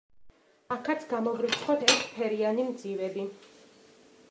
აქაც გამოვრიცხოთ ერთ ფერიანი მძივები.